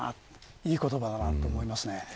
いい言葉だなと思いますね。